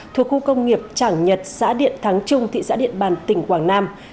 thuộc khu công nghiệp trảng nhật xã điện thắng trung thị xã điện bàn tỉnh quảng nam